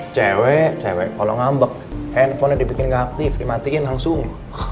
cewek cewek kalau ngambek handphonenya dibikin nggak aktif dimatiin langsung